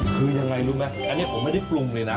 คือยังไงรู้ไหมอันนี้ผมไม่ได้ปรุงเลยนะ